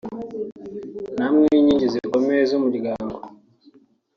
namwe nk’inkingi zikomeye z’umuryango